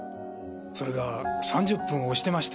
それが３０分押してまして。